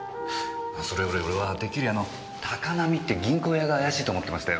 それより俺はてっきり高浪って銀行屋が怪しいと思ってましたよ。